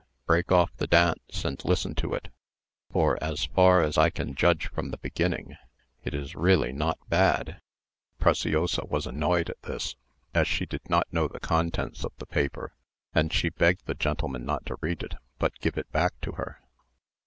Break off the dance, and listen to it; for, as far as I can judge from the beginning, it is really not bad." Preciosa was annoyed at this, as she did not know the contents of the paper; and she begged the gentleman not to read it, but give it back to her.